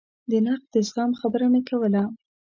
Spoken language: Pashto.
د نقد د زغم خبره مې کوله.